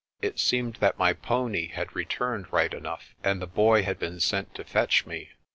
It seemed that my pony had returned right enough, and the boy had been sent to fetch me.